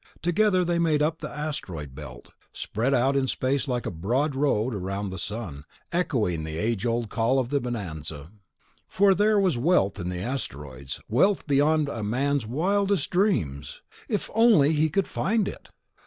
Together they made up the Asteroid Belt, spread out in space like a broad road around the sun, echoing the age old call of the bonanza. For there was wealth in the Asteroids ... wealth beyond a man's wildest dreams ... if only he could find it.